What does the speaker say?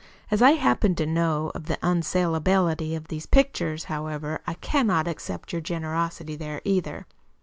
"As I happen to know of the unsalability of these pictures, however, I cannot accept your generosity there, either."